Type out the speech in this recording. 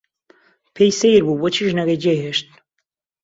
پێی سەیر بوو بۆچی ژنەکەی جێی هێشت.